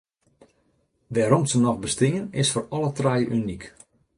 Wêrom’t se noch bestean, is foar alle trije unyk.